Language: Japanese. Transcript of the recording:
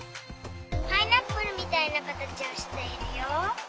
パイナップルみたいなかたちをしているよ。